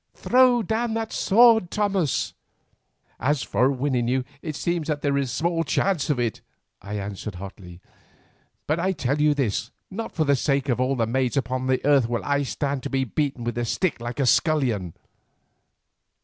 Throw down that sword, Thomas." "As for winning you, it seems that there is small chance of it;" I answered hotly, "but I tell you this, not for the sake of all the maids upon the earth will I stand to be beaten with a stick like a scullion."